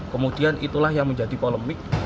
kemudian itulah yang menjadi polemik